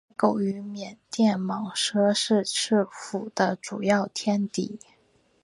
野狗与缅甸蟒蛇是赤麂的主要天敌。